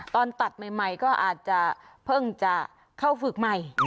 ตอนตัดใหม่ก็อาจจะเพิ่งจะเข้าฝึกใหม่